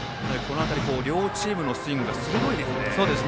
両チームのスイングが鋭いですね。